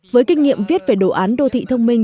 với kinh nghiệm viết về đồ án đô thị thông minh